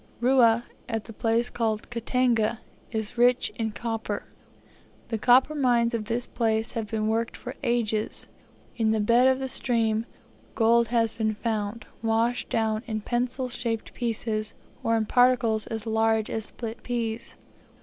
Rua, at a place called Katanga, is rich in copper. The copper mines of this place have been worked for ages. In the bed of a stream, gold has been found, washed down in pencil shaped pieces or in particles as large as split peas.